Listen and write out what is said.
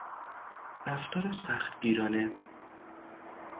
رفتار سختگیرانه